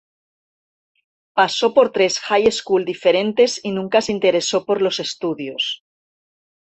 Pasó por tres "high school" diferentes y nunca se interesó por los estudios.